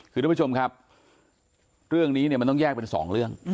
คือทุกผู้ชมครับเรื่องนี้เนี่ยมันต้องแยกเป็นสองเรื่อง